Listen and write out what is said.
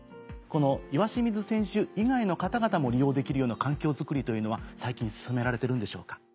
岩清水選手以外の方々も利用できるような環境作りというのは最近進められてるんでしょうか？